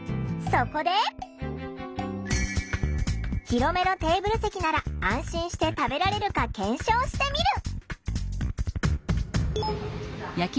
広めのテーブル席なら安心して食べられるか検証してみる。